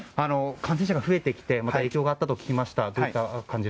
感染者が増えてきて影響があったとお聞きしました。